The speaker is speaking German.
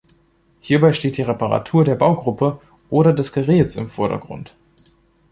Hierbei steht die Reparatur der Baugruppe oder des Geräts im Vordergrund.